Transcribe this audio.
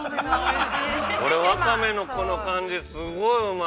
俺、ワカメのこの感じ、すごいうまい。